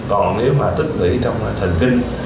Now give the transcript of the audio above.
còn nếu tích lũy trong thần kinh